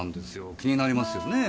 気になりますよねぇ？